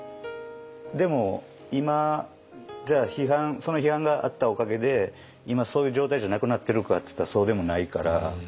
でも今その批判があったおかげで今そういう状態じゃなくなってるかっていったらそうでもないから。